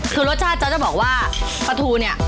คือรสชาติจ๊ะจะบอกว่าปลาทูเนี่ย